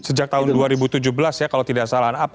sejak tahun dua ribu tujuh belas ya kalau tidak salah